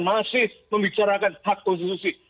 masih membicarakan hak konstitusi